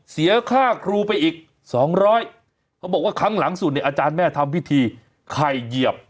เสียค่าครูไปอีกสองร้อยเขาบอกว่าครั้งหลังสุดเนี่ยอาจารย์แม่ทำพิธีไข่เหยียบ